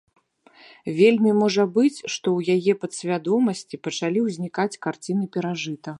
Вельмі можа быць, што ў яе падсвядомасці пачалі ўзнікаць карціны перажытага.